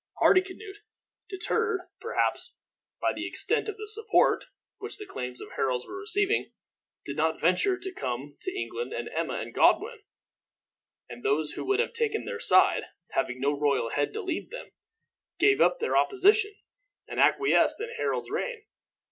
Hardicanute, deterred, perhaps, by the extent of the support which the claims of Harold were receiving, did not venture to come to England, and Emma and Godwin, and those who would have taken their side, having no royal head to lead them, gave up their opposition, and acquiesced in Harold's reign.